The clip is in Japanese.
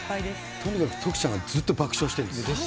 とにかく徳ちゃんがずっと爆笑してるんです。